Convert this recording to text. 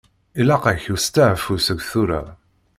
Ilaq-ak usteɛfu seg tura.